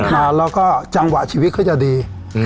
แล้วก็จังหวะชีวิตเขาจะดี